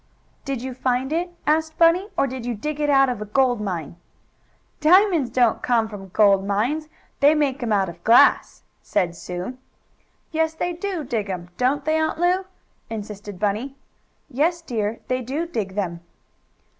"Did you find it?" asked Bunny. "Or did you dig it out of a gold mine?" "Diamonds don't come from gold mines; they make 'em out of glass!" said Sue. "Yes they do dig 'em; don't they, Aunt Lu?" insisted Bunny. "Yes, dear, they do dig them."